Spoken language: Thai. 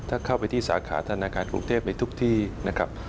ถ้าเข้าไปที่สาขาธนาคารกรุงเทพในทุกที่นะครับ